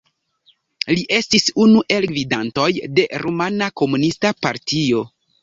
Li estis unu el gvidantoj de Rumana Komunista Partio.